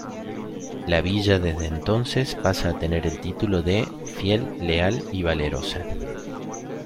La villa desde entonces pasa a tener el título de "Fiel, Leal y Valerosa".